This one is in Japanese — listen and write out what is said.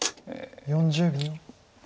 ４０秒。